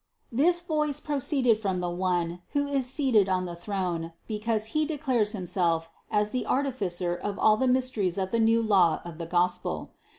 This voice proceeded from the One, who is seated on the throne, because He declares Himself as the Artificer of all the mysteries of the new law of the Gospel.